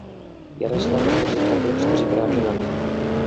Jaroslav Bořita byl čtyřikrát ženatý.